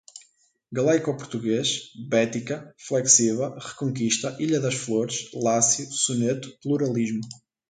galaico-português, Bética, flexiva, Reconquista, ilha das Flores, Lácio, soneto, pluralismo